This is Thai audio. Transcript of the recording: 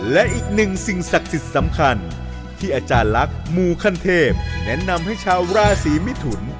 และอีกหนึ่งสิ่งศักดิ์สิทธิ์สำคัญที่อาจารย์ลักษณ์หมู่ขั้นเทพแนะนำให้ชาวราศีมิถุน